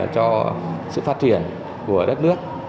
cho sự phát triển của đất nước